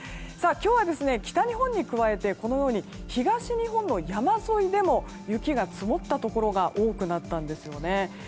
今日は北日本に加えて東日本の山沿いでも雪が積もったところが多くなったんですね。